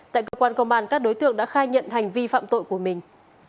tại cơ quan công an các đối tượng đã khai nhận hành vi phạm tội của mình